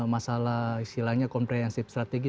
masalah istilahnya komprehensif strategi